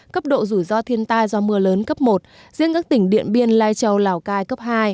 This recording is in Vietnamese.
cấp độ rủi ro thiên tai do mưa lớn cấp một riêng các tỉnh điện biên lai châu lào cai cấp hai